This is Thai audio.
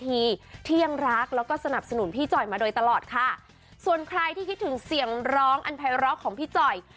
ที่ยังรักแล้วก็สนับสนุนพี่จ่อยมาโดยตลอดค่ะส่วนใครที่คิดถึงเสียงร้องอันภัยร็อกของพี่จ่อย